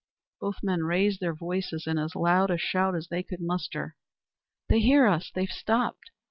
Both men raised their voices in as loud a shout as they could muster. "They hear us! They've stopped.